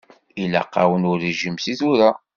Ilaq-awen urijim seg tura.